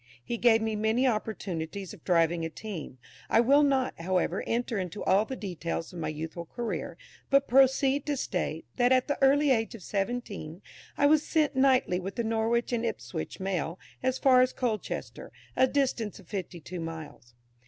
He gave me many opportunities of driving a team. I will not, however, enter into all the details of my youthful career, but proceed to state, that at the early age of seventeen I was sent nightly with the Norwich and Ipswich Mail as far as Colchester, a distance of fifty two miles.